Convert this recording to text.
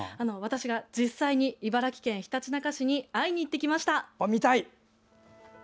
私が実際に茨城県ひたちなか市に会いに行ってきました。